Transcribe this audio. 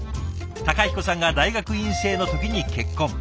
孝彦さんが大学院生の時に結婚。